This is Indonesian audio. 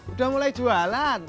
udah mulai jualan